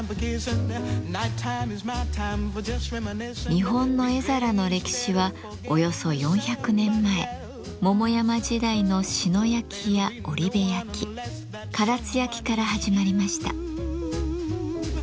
日本の絵皿の歴史はおよそ４００年前桃山時代の志野焼や織部焼唐津焼から始まりました。